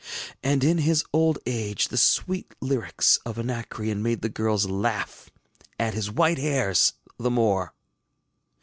And in his old age the sweet lyrics of Anacreon made the girls laugh at his white hairs the more.